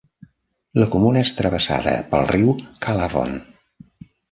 La comuna és travessada pel riu Calavon.